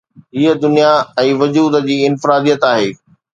هيءَ دنيا ۽ وجود جي انفراديت آهي.